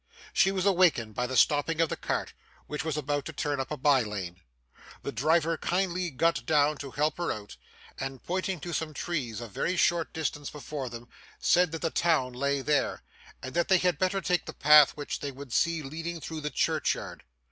She was awakened by the stopping of the cart, which was about to turn up a bye lane. The driver kindly got down to help her out, and pointing to some trees at a very short distance before them, said that the town lay there, and that they had better take the path which they would see leading through the churchyard.